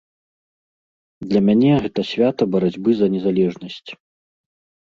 Для мяне гэта свята барацьбы за незалежнасць.